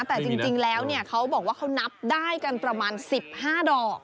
แต่จริงแล้วเขาบอกว่าเขานับได้กันประมาณ๑๕ดอก